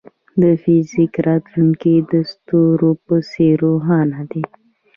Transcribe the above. د فزیک راتلونکی د ستورو په څېر روښانه دی.